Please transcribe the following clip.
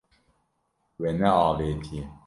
We neavêtiye.